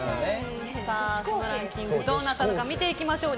そのランキングどうなったのか見ていきましょう。